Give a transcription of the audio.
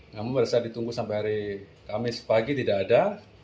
namun pada saat ditunggu sampai hari kamis pagi tidak ada